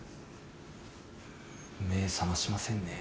目覚ましませんね。